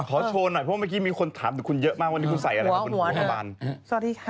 ขอโชว์หน่อยเพราะว่าเมื่อกี้มีคนถามคุณเยอะมากว่าคุณใส่อะไร